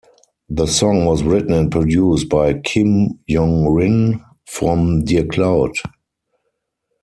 The song was written and produced by Kim Yong-rin from Dear Cloud.